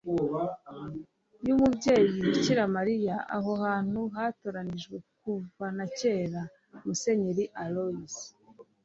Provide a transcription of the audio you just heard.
y'umubyeyi bikira mariya. aho hantu hatoranyijwe kuva na kera, musenyeri aloys